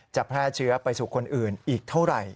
แพร่เชื้อไปสู่คนอื่นอีกเท่าไหร่